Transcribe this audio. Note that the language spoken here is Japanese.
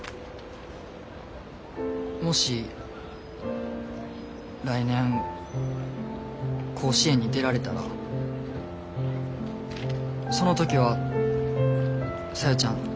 もし来年甲子園に出られたらその時は小夜ちゃん。